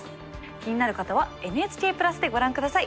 気になる方は「ＮＨＫプラス」でご覧下さい。